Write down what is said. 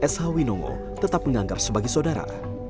sh winongo tetap menganggap sebagai saudara